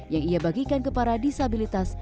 yang ia bagikan ke para disabilitas